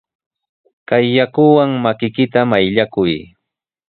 Kay yakuwan makiykita mayllakuy.